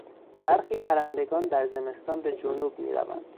برخی پرندگان در زمستان به جنوب میروند.